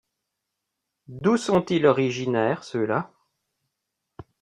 D'où sont-ils originaire ceux-là ?